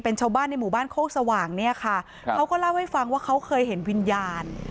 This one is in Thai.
เป็นชาวบ้านในหมู่บ้านโคกสว่างเนี่ยค่ะเขาก็เล่าให้ฟังว่าเขาเคยเห็นวิญญาณ